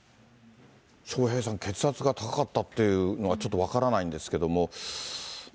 笑瓶さん、血圧が高かったっていうのは、ちょっと分からないんですけれども。